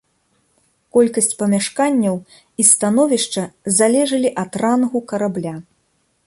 Колькасць памяшканняў і становішча залежалі ад рангу карабля.